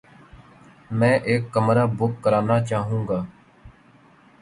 میں ایک کمرہ بک کرانا چاحو گا